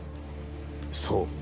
そう。